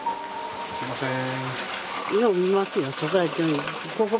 すみません。